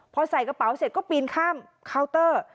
พอใส่กระเป๋าเสร็จก็ปีนข้ามเคาน์เตอร์